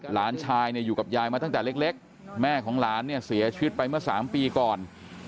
หลานชายเนี่ยอยู่กับยายมาตั้งแต่เล็กแม่ของหลานเนี่ยเสียชีวิตไปเมื่อ๓ปีก่อน